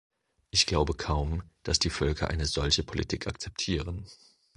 Ich glaube kaum, dass die Völker eine solche Politik akzeptieren.